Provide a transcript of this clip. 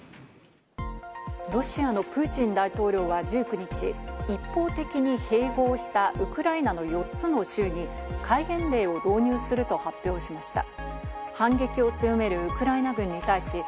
ロシアのプーチン大統領は１９日、一方的に併合したウクライナの４つの州に戒厳令を導入すると発表しました。